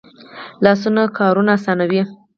لاسونه کارونه آسانوي